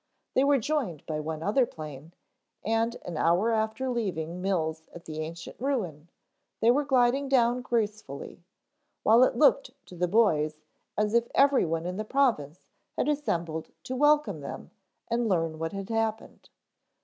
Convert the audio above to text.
They were joined by one other plane, and an hour after leaving Mills at the ancient ruin, they were gliding down gracefully, while it looked to the boys as if everyone in the province had assembled to welcome them and learn what had happened.